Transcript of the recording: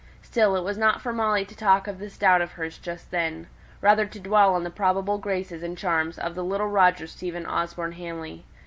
Still, it was not for Molly to talk of this doubt of hers just then; but rather to dwell on the probable graces and charms of the little Roger Stephen Osborne Hamley.